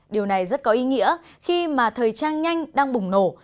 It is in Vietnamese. điều này rất có ý nghĩa khi mà thời trang nhanh đang bùng nổ